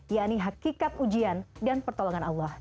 yakni hakikat ujian dan pertolongan allah